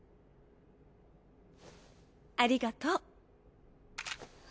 ありがとう。